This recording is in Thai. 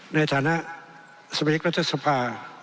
ในฐานะสมัยกรัฐศพา